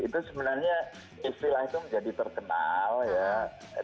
itu sebenarnya istilah itu menjadi terkenal ya